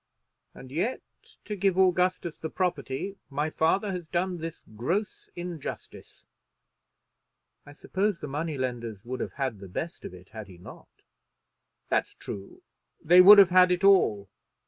And yet, to give Augustus the property, my father has done this gross injustice." "I suppose the money lenders would have had the best of it had he not." "That's true. They would have had it all.